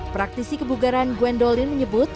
praktisi kebugaran gwendolyn menyebut